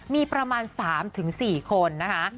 มีประมาณ๓๔คนนะคะ